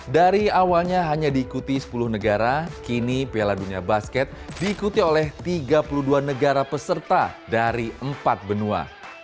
dari awalnya hanya diikuti sepuluh negara kini piala dunia basket diikuti oleh tiga puluh dua negara peserta dari empat benua